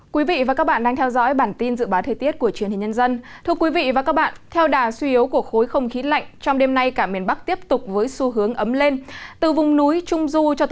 các bạn hãy đăng ký kênh để ủng hộ kênh của chúng mình nhé